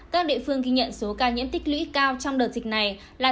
các địa phương ghi nhận số ca nhiễm tích lũy cao trong đợt dịch này là